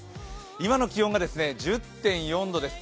今の気温が１０．４度です。